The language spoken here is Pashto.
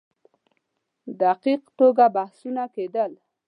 دقیق توګه بحثونه کېدل.